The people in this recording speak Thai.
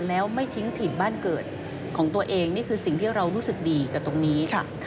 แล้วไม่ทิ้งถิ่นบ้านเกิดของตัวเองนี่คือสิ่งที่เรารู้สึกดีกับตรงนี้